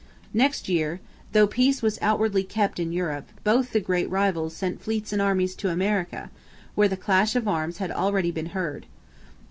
Next year, though peace was outwardly kept in Europe, both the great rivals sent fleets and armies to America, where the clash of arms had already been heard.